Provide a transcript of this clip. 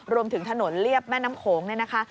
รวมถึงถนนเรียบแม่น้ำโขงเนี่ยนะคะ